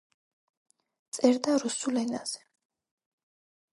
წერდა რუსულ ენაზე.